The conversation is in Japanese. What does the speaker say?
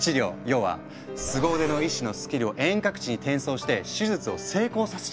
要は凄腕の医師のスキルを遠隔地に転送して手術を成功させちゃうってこと。